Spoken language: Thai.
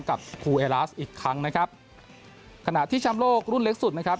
กับครูเอลาสอีกครั้งนะครับขณะที่แชมป์โลกรุ่นเล็กสุดนะครับ